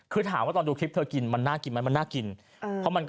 คือถามว่าตอนดูคลิปเธอกินมันน่ากินไหมมันน่ากิน